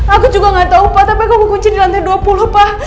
aku juga gak tau tapi aku kunci di lantai dua puluh pak